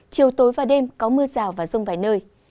chiều tối và đêm có mưa rào và rông vài nơi